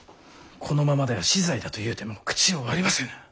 「このままでは死罪だ」と言うても口を割りませぬ。